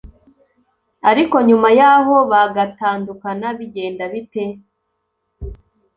ariko nyuma yaho bagatandukana bigenda bite